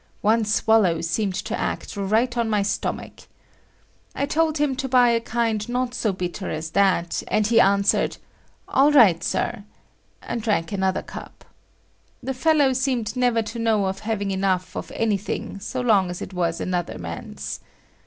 One swallow seemed to act right on my stomach. I told him to buy a kind not so bitter as that, and he answered "All right, Sir," and drank another cup. The fellow seemed never to know of having enough of anything so long as it was another man's.